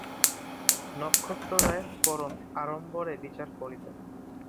নক্ষত্ররায় পরম আড়ম্বরে বিচার করিতেন।